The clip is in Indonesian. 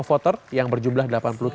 voter yang berjumlah delapan puluh tujuh